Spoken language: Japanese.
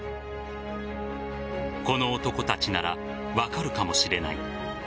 この男たちなら分かるかもしれない。